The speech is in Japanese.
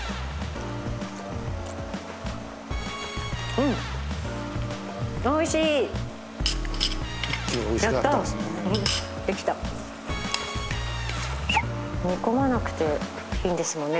うんおいしいやったできた煮込まなくていいんですもんね